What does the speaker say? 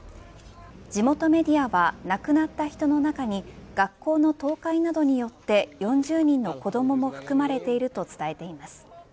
地元メディアは亡くなった人の中に学校の倒壊などによって４０人の子どもも含まれていると伝えています。